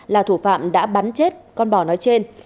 là thủ phạm đã bắn chết con bò nói trên